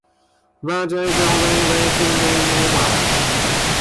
Bertha had been driving for three hours when it started to rain.